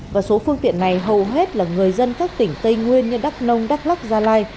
và số phương tiện này hầu hết là người dân các tỉnh tây nguyên như đắk nông đắk lắc gia lai